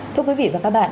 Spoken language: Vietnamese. thưa quý vị và các bạn